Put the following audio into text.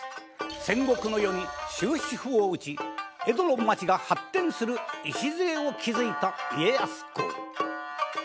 戦国の世に終止符を打ち江戸の町が発展する礎を築いた家康公。